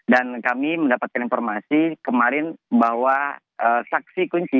dan kami mendapatkan informasi kemarin bahwa saksi kunci